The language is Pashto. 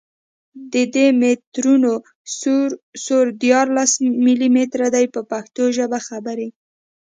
د دي مترونو سور دیارلس ملي متره دی په پښتو ژبه خبرې.